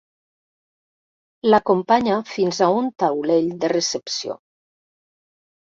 L'acompanya fins a un taulell de recepció.